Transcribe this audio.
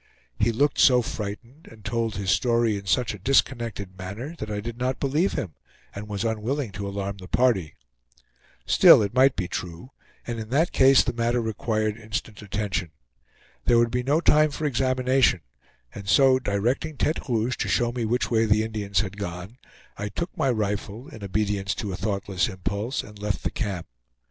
He looked so frightened, and told his story in such a disconnected manner, that I did not believe him, and was unwilling to alarm the party. Still it might be true, and in that case the matter required instant attention. There would be no time for examination, and so directing Tete Rouge to show me which way the Indians had gone, I took my rifle, in obedience to a thoughtless impulse, and left the camp.